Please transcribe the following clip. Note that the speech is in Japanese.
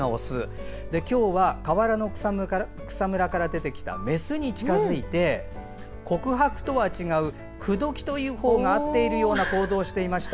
今日は河原の草むらから出てきたメスに近づいて、告白とは違う口説きというほうが合っているような行動をしていました。